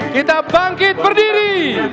kita bangkit berdiri